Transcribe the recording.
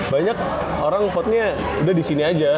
banyak orang votenya udah disini aja